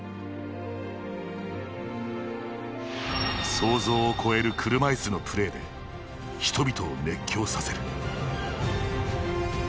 想像を超える車いすのプレーで人々を熱狂させる。